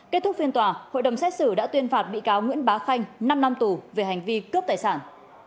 kết thúc phiên tòa hội đồng xét xử đã tuyên phạt bị cáo nguyễn bá khanh năm năm tù về hành vi cướp tài sản